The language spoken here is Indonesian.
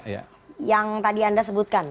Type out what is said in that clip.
yang tadi anda sebutkan